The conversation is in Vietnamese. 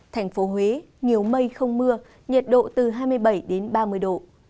thành phố huế nhiều mây không mưa nhiệt độ từ hai mươi bảy đến ba mươi độ